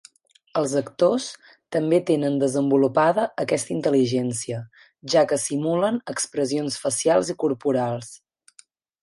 Els actors també tenen desenvolupada aquesta intel·ligència, ja que simulen expressions facials i corporals.